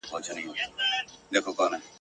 دا طلاوي تر کلونو نه ختمیږي..